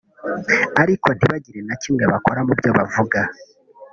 ariko ntibagire na kimwe bakora mu byo bavuga